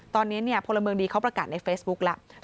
ตอนนี้พลเมืองดีเขาประกาศในเฟซบุ๊กแล้ว